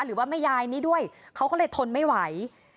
หรือว่าแม่ยายนี้ด้วยเขาก็เลยทนไม่ไหว